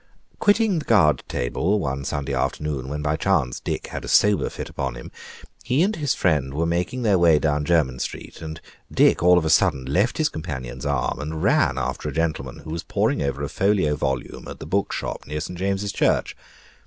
Quitting the Guard table one Sunday afternoon, when by chance Dick had a sober fit upon him, he and his friend were making their way down Germain Street, and Dick all of a sudden left his companion's arm, and ran after a gentleman who was poring over a folio volume at the book shop near to St. James's Church.